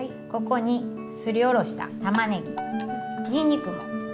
ここにすりおろしたたまねぎにんにくも。